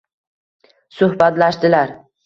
Suhbatlashdilar.